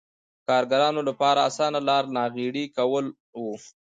کارګرانو لپاره اسانه لار ناغېړي کول و.